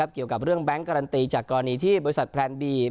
เกี่ยวกับเรื่องแบงค์การันตีจากกรณีที่บริษัทแพลนบี